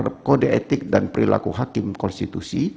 melainkan juga benar benar sikap dan perilakunya menunjukkan kepentingan konstitusi